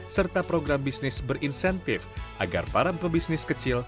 serta program bisnis berinsentif agar para pebisnis kecil